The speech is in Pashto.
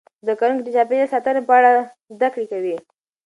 زده کوونکي د چاپیریال ساتنې په اړه زده کړه کوي.